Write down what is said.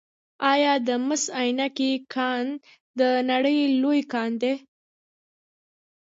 آیا د مس عینک کان د نړۍ لوی کان دی؟